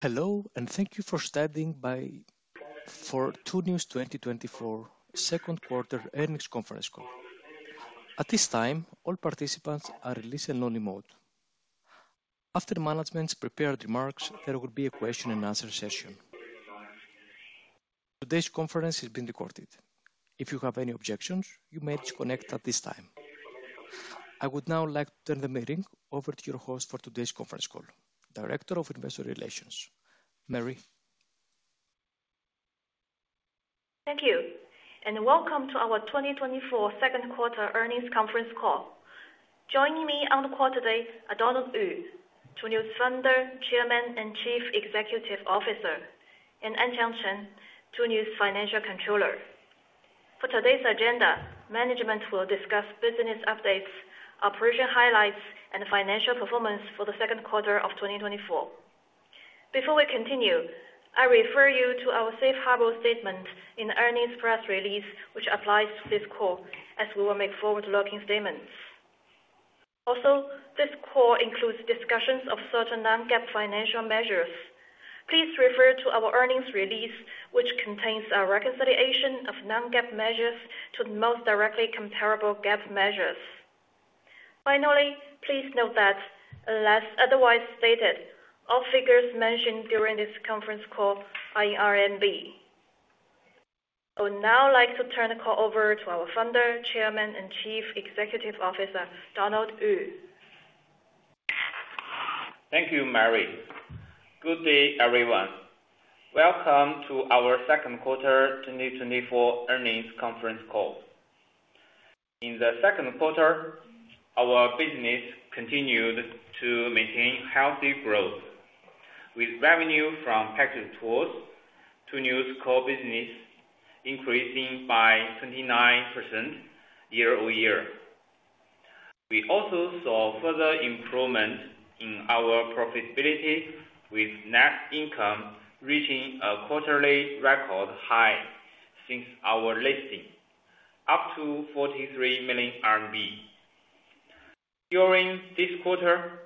Hello, and thank you for standing by for Tuniu's 2024 second quarter earnings conference call. At this time, all participants are in listen-only mode. After management's prepared remarks, there will be a question and answer session. Today's conference is being recorded. If you have any objections, you may disconnect at this time. I would now like to turn the meeting over to your host for today's conference call, Director of Investor Relations, Mary. Thank you, and welcome to our 2024 second quarter earnings conference call. Joining me on the call today are Donald Yu, Tuniu's Founder, Chairman, and Chief Executive Officer, and Anqiang Chen, Tuniu's Financial Controller. For today's agenda, management will discuss business updates, operation highlights, and financial performance for the second quarter of 2024. Before we continue, I refer you to our Safe Harbor statement in the earnings press release, which applies to this call, as we will make forward-looking statements. Also, this call includes discussions of certain non-GAAP financial measures. Please refer to our earnings release, which contains a reconciliation of non-GAAP measures to the most directly comparable GAAP measures. Finally, please note that unless otherwise stated, all figures mentioned during this conference call are in RMB. I would now like to turn the call over to our Founder, Chairman, and Chief Executive Officer, Donald Yu. Thank you, Mary. Good day, everyone. Welcome to our second quarter 2024 earnings conference call. In the second quarter, our business continued to maintain healthy growth, with revenue from package tours to Tuniu's core business increasing by 29% year-over-year. We also saw further improvement in our profitability, with net income reaching a quarterly record high since our listing, up to 43 million RMB. During this quarter,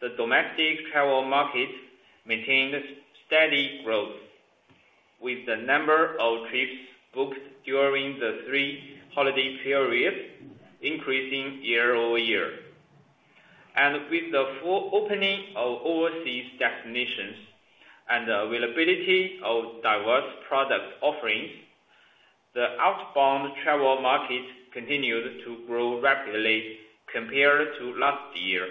the domestic travel market maintained steady growth, with the number of trips booked during the three holiday periods increasing year-over-year. With the full opening of overseas destinations and the availability of diverse product offerings, the outbound travel market continued to grow rapidly compared to last year,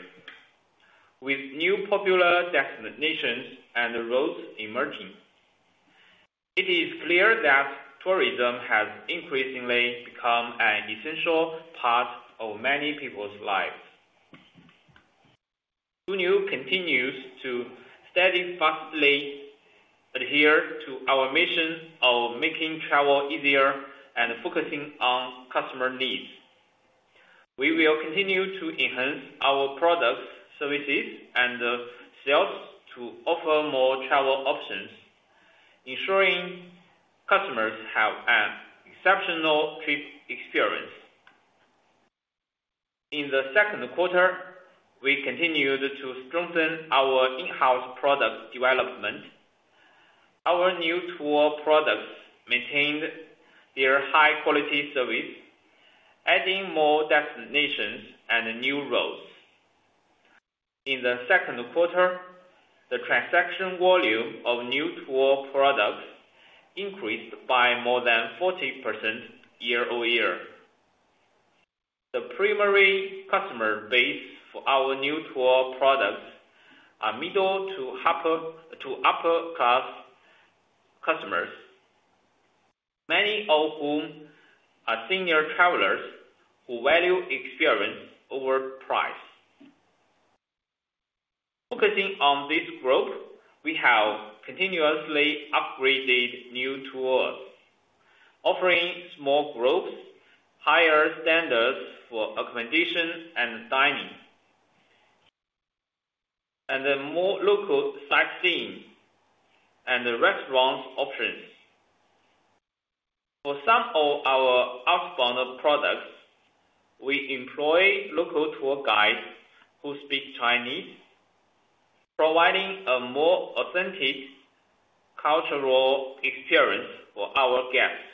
with new popular destinations and routes emerging. It is clear that tourism has increasingly become an essential part of many people's lives. Tuniu continues to steadfastly adhere to our mission of making travel easier and focusing on customer needs. We will continue to enhance our products, services, and sales to offer more travel options, ensuring customers have an exceptional trip experience. In the second quarter, we continued to strengthen our in-house product development. Our Niu Tour products maintained their high-quality service, adding more destinations and new routes. In the second quarter, the transaction volume of Niu Tour products increased by more than 40% year-over-year. The primary customer base for our Niu Tour products are middle to upper, to upper-class customers, many of whom are senior travelers who value experience over price. Focusing on this group, we have continuously upgraded Niu Tours, offering small groups, higher standards for accommodation and dining, and more local sightseeing and restaurant options. For some of our outbound products, we employ local tour guides who speak Chinese, providing a more authentic cultural experience for our guests.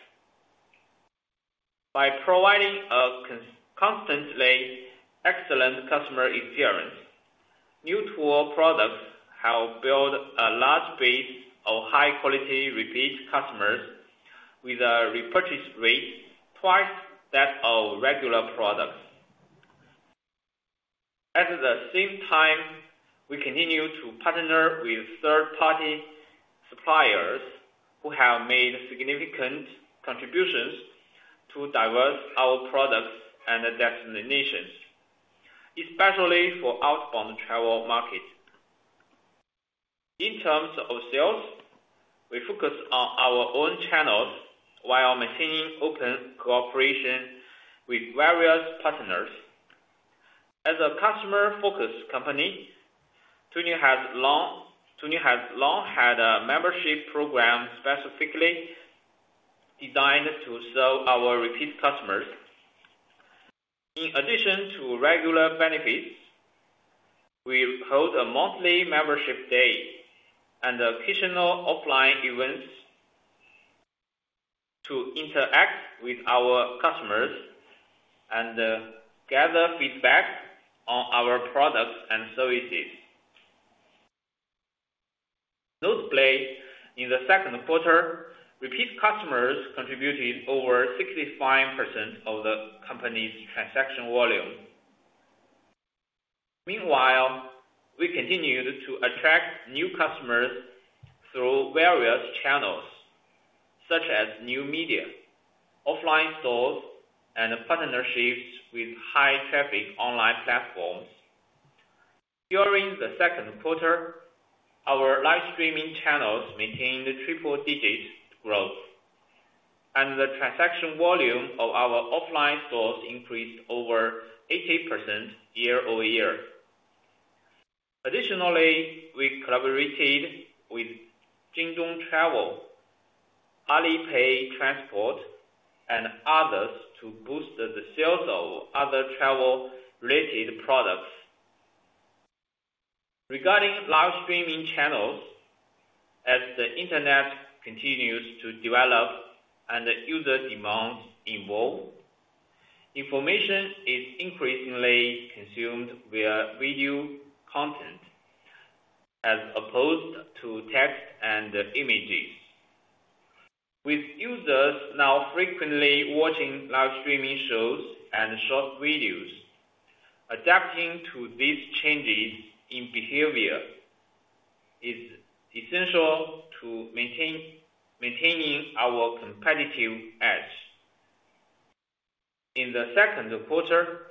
By providing a constantly excellent customer experience, Niu Tour products have built a large base of high-quality repeat customers with a repurchase rate twice that of regular products. At the same time, we continue to partner with third-party suppliers who have made significant contributions to diversify our products and destinations, especially for outbound travel markets. In terms of sales, we focus on our own channels while maintaining open cooperation with various partners. As a customer-focused company, Tuniu has long had a membership program specifically designed to serve our repeat customers. In addition to regular benefits, we hold a monthly membership day and occasional offline events to interact with our customers and gather feedback on our products and services. Notably, in the second quarter, repeat customers contributed over 65% of the company's transaction volume. Meanwhile, we continued to attract new customers through various channels, such as new media, offline stores, and partnerships with high traffic online platforms. During the second quarter, our live streaming channels maintained a triple-digit growth, and the transaction volume of our offline stores increased over 80% year-over-year. Additionally, we collaborated with Jingdong Travel, Alipay Transport, and others, to boost the sales of other travel-related products. Regarding live streaming channels, as the internet continues to develop and user demands evolve, information is increasingly consumed via video content, as opposed to text and images. With users now frequently watching live streaming shows and short videos, adapting to these changes in behavior is essential to maintain our competitive edge. In the second quarter,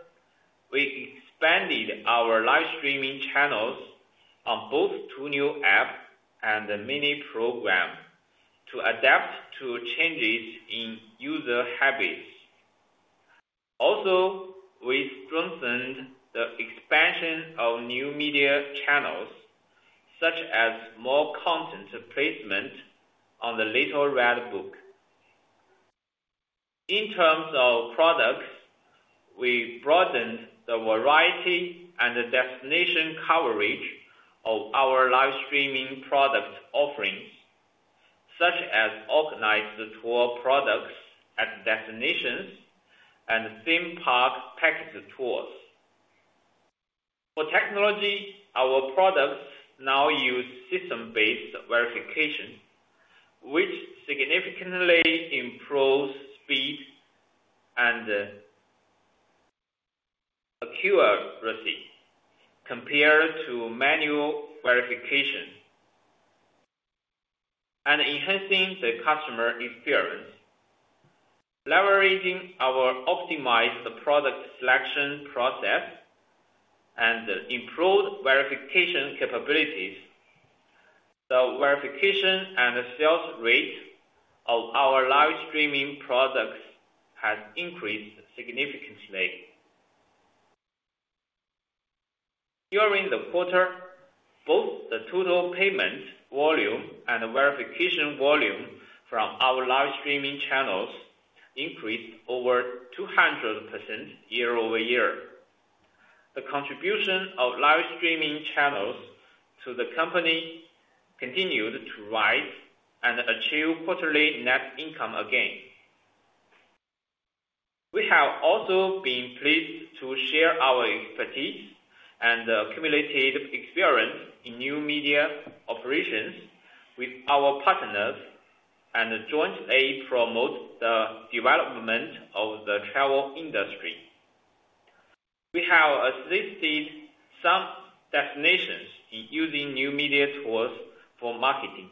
we expanded our live streaming channels on both Tuniu App and the Mini Program to adapt to changes in user habits. Also, we strengthened the expansion of new media channels, such as more content placement on the Little Red Book. In terms of products, we broadened the variety and the destination coverage of our live streaming product offerings, such as organized tour products at destinations and theme park package tours. For technology, our products now use system-based verification, which significantly improves speed and accuracy compared to manual verification and enhancing the customer experience. Leveraging our optimized product selection process and improved verification capabilities, the verification and sales rate of our live streaming products has increased significantly. During the quarter, both the total payment volume and the verification volume from our live streaming channels increased over 200% year-over-year. The contribution of live streaming channels to the company continued to rise and achieve quarterly net income again. We have also been pleased to share our expertise and, cumulative experience in new media operations with our partners, and jointly promote the development of the travel industry. We have assisted some destinations in using new media tools for marketing,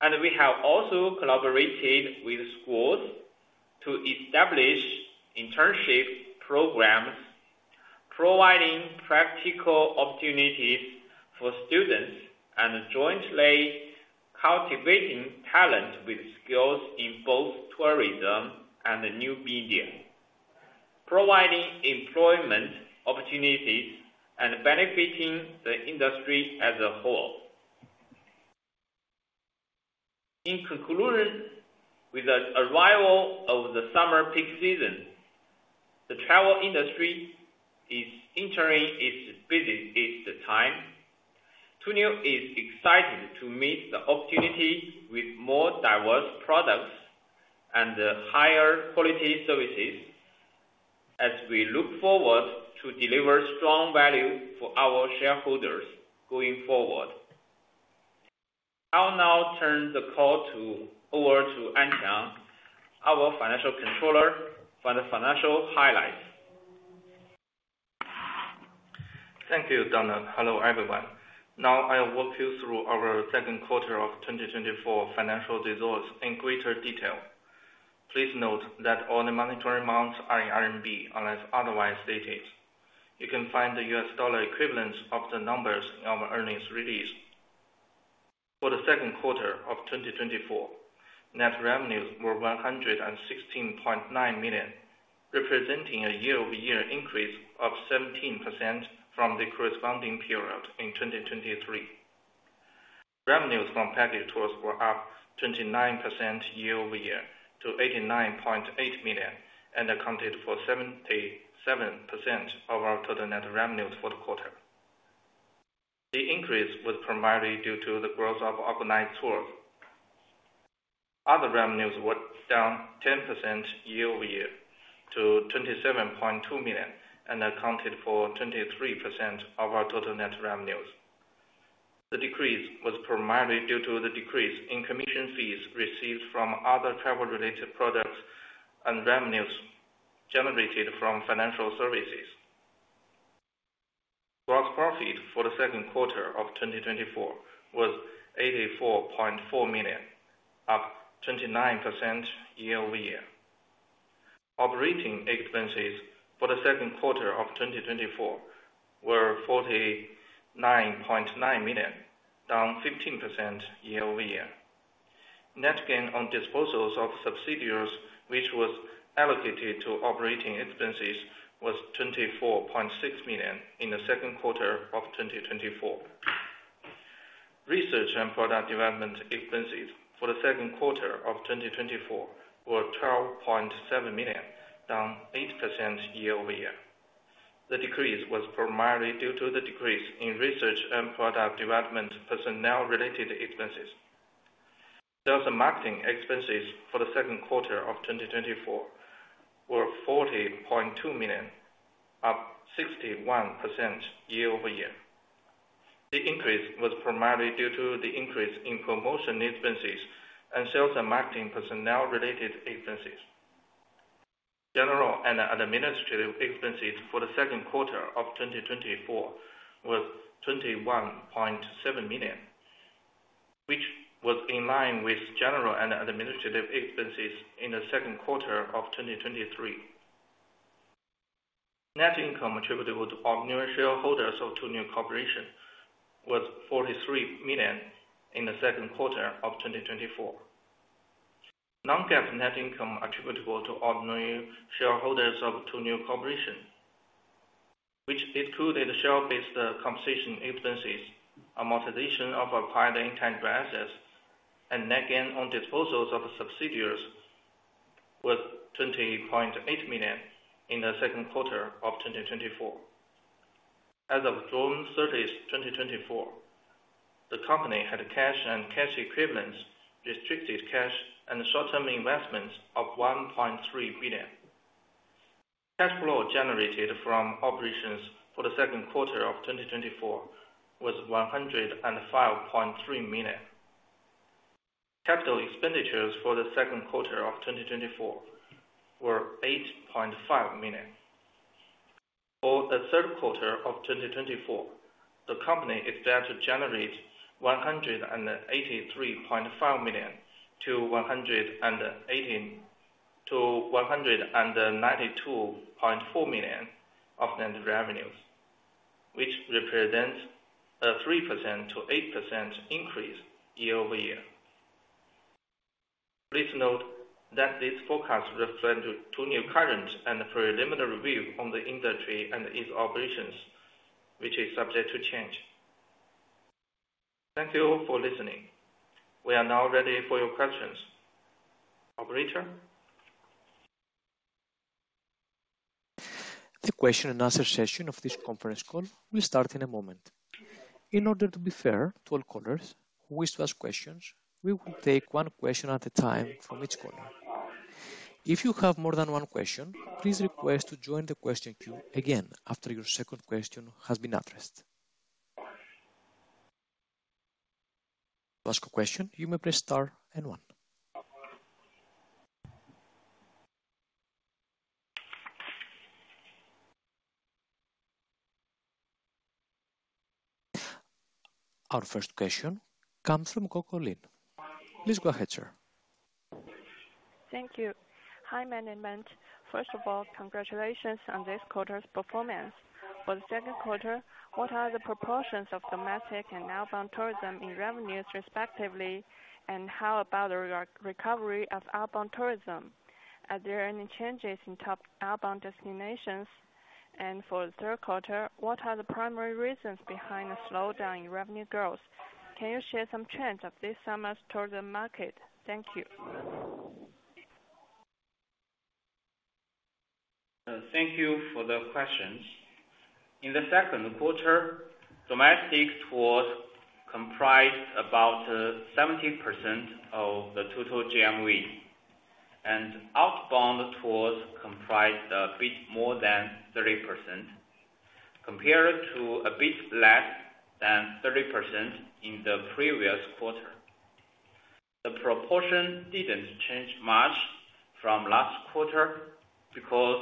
and we have also collaborated with schools to establish internship programs, providing practical opportunities for students, and jointly cultivating talent with skills in both tourism and the new media, providing employment opportunities and benefiting the industry as a whole. In conclusion, with the arrival of the summer peak season, the travel industry is entering its busiest time. Tuniu is excited to meet the opportunity with more diverse products and higher quality services, as we look forward to deliver strong value for our shareholders going forward. I'll now turn the call over to Anqiang, our Financial Controller, for the financial highlights. Thank you, Donald. Hello, everyone. Now, I'll walk you through our second quarter of 2024 financial results in greater detail. Please note that all the monetary amounts are in RMB, unless otherwise stated. You can find the U.S. dollar equivalents of the numbers in our earnings release. For the second quarter of 2024, net revenues were 116.9 million, representing a year-over-year increase of 17% from the corresponding period in 2023. Revenues from package tours were up 29% year-over-year to 89.8 million, and accounted for 77% of our total net revenues for the quarter. The increase was primarily due to the growth of organized tours. Other revenues were down 10% year-over-year to 27.2 million, and accounted for 23% of our total net revenues. The decrease was primarily due to the decrease in commission fees received from other travel-related products and revenues generated from financial services. Gross profit for the second quarter of 2024 was 84.4 million, up 29% year-over-year. Operating expenses for the second quarter of 2024 were 49.9 million, down 15% year-over-year. Net gain on disposals of subsidiaries, which was allocated to operating expenses, was 24.6 million in the second quarter of 2024. Research and product development expenses for the second quarter of 2024 were 12.7 million, down 8% year-over-year. The decrease was primarily due to the decrease in research and product development personnel-related expenses. Sales and marketing expenses for the second quarter of 2024 were 40.2 million, up 61% year-over-year. The increase was primarily due to the increase in promotion expenses and sales and marketing personnel-related expenses. General and administrative expenses for the second quarter of 2024 were 21.7 million, which was in line with general and administrative expenses in the second quarter of 2023. Net income attributable to ordinary shareholders of Tuniu Corporation was 43 million in the second quarter of 2024. Non-GAAP net income attributable to ordinary shareholders of Tuniu Corporation, which included share-based compensation expenses, amortization of acquired intangible assets, and net gain on disposals of subsidiaries, was 20.8 million in the second quarter of 2024. As of June 30, 2024, the company had cash and cash equivalents, restricted cash, and short-term investments of 1.3 billion. Cash flow generated from operations for the second quarter of 2024 was 105.3 million. Capital expenditures for the second quarter of 2024 were 8.5 million. For the third quarter of 2024, the company is set to generate 183.5 million-192.4 million of net revenues, which represents a 3%-8% increase year-over-year. Please note that this forecast reflects Tuniu's current and preliminary review on the industry and its operations, which is subject to change. Thank you for listening. We are now ready for your questions. Operator? The Q&A session of this conference call will start in a moment. In order to be fair to all callers who wish to ask questions, we will take one question at a time from each caller. If you have more than one question, please request to join the question queue again after your second question has been addressed. To ask a question, you may press star and one. Our first question comes from Coco Lin. Please go ahead, sir. Thank you. Hi, management. First of all, congratulations on this quarter's performance. For the second quarter, what are the proportions of domestic and outbound tourism in revenues, respectively? How about the re-recovery of outbound tourism? Are there any changes in top outbound destinations? For the third quarter, what are the primary reasons behind the slowdown in revenue growth? Can you share some trends of this summer's tourism market? Thank you. Thank you for the questions. In the second quarter, domestic tours comprised about 70% of the total GMV, and outbound tours comprised a bit more than 30%, compared to a bit less than 30% in the previous quarter. The proportion didn't change much from last quarter, because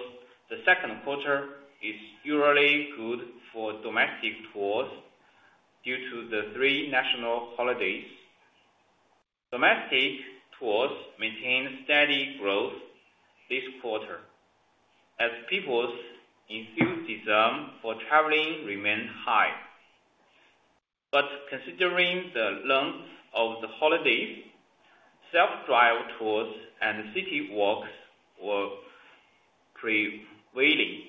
the second quarter is usually good for domestic tours due to the three national holidays. Domestic tours maintained steady growth this quarter, as people's enthusiasm for traveling remained high. But considering the length of the holidays, self-drive tours and city walks were prevailing.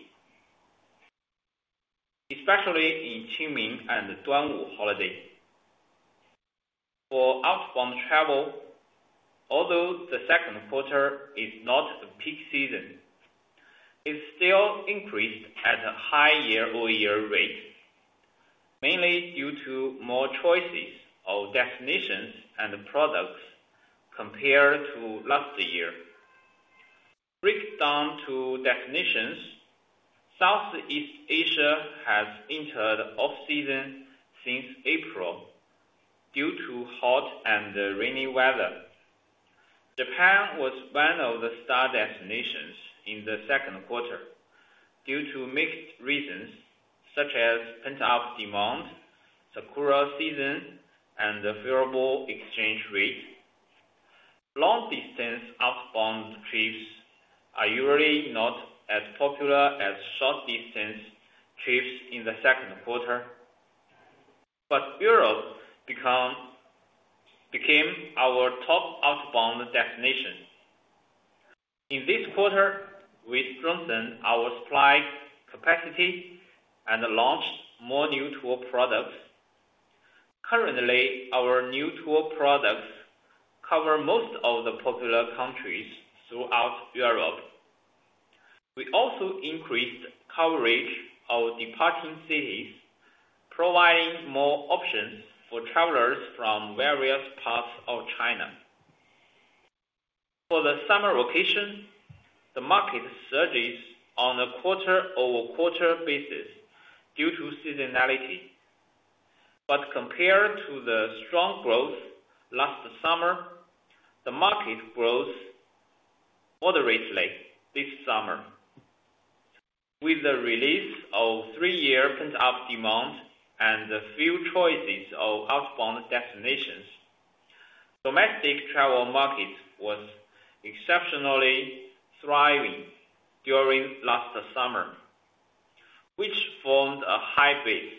Especially in Qingming and Duanwu holiday. For outbound travel, although the second quarter is not the peak season, it still increased at a high year-over-year rate, mainly due to more choices of destinations and products compared to last year. Break down to destinations, Southeast Asia has entered off-season since April due to hot and rainy weather. Japan was one of the star destinations in the second quarter due to mixed reasons such as pent-up demand, sakura season, and the favorable exchange rate. Long-distance outbound trips are usually not as popular as short-distance trips in the second quarter, but Europe became our top outbound destination. In this quarter, we strengthened our supply capacity and launched more Niu Tour products. Currently, our Niu Tour products cover most of the popular countries throughout Europe. We also increased coverage of departing cities, providing more options for travelers from various parts of China. For the summer vacation, the market surges on a quarter-over-quarter basis due to seasonality. But compared to the strong growth last summer, the market growth moderately this summer. With the release of three-year pent-up demand and a few choices of outbound destinations, domestic travel market was exceptionally thriving during last summer, which formed a high base.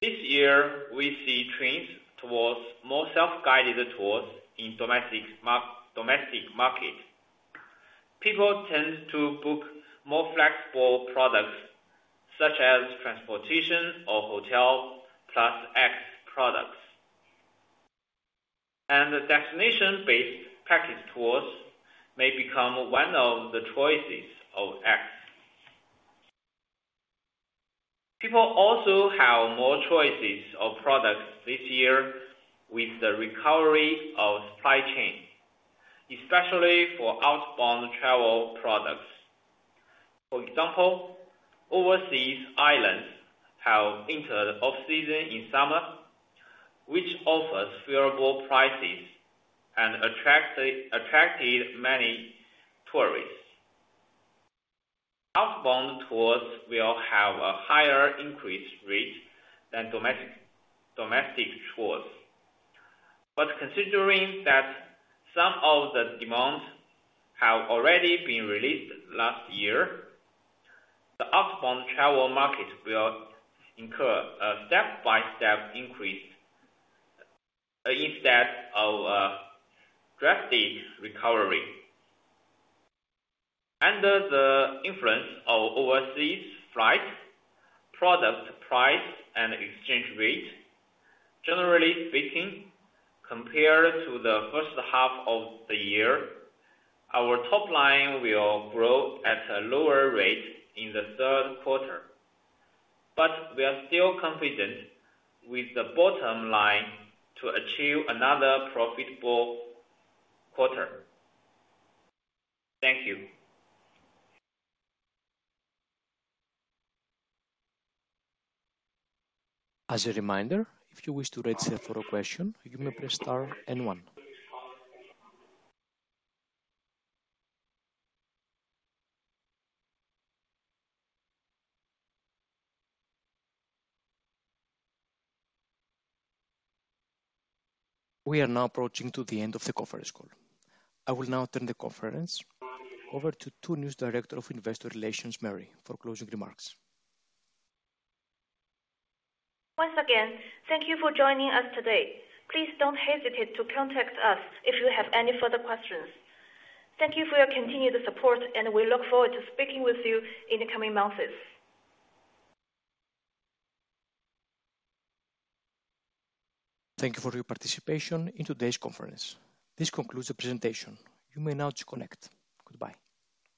This year, we see trends towards more self-guided tours in domestic market. People tend to book more flexible products, such as transportation or hotel plus X products. And the destination-based package tours may become one of the choices of X. People also have more choices of products this year with the recovery of supply chain, especially for outbound travel products. For example, overseas islands have entered off-season in summer, which offers favorable prices and attracted many tourists. Outbound tours will have a higher increase rate than domestic tours. But considering that some of the demands have already been released last year, the outbound travel market will incur a step-by-step increase, instead of, drastic recovery. Under the influence of overseas flights, product price, and exchange rate, generally speaking, compared to the first half of the year, our top line will grow at a lower rate in the third quarter. But we are still confident with the bottom line to achieve another profitable quarter. Thank you. As a reminder, if you wish to raise a further question, you may press star and one. We are now approaching to the end of the conference call. I will now turn the conference over to Tuniu's Director of Investor Relations, Mary, for closing remarks. Once again, thank you for joining us today. Please don't hesitate to contact us if you have any further questions. Thank you for your continued support, and we look forward to speaking with you in the coming months. Thank you for your participation in today's conference. This concludes the presentation. You may now disconnect. Goodbye.